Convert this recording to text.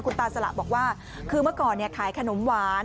ตาสละบอกว่าคือเมื่อก่อนขายขนมหวาน